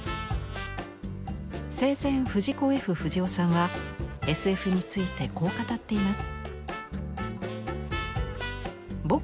生前藤子・Ｆ・不二雄さんはＳＦについてこう語っています。